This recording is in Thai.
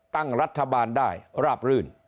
ตั้งรัฐบาลได้ราบรื่น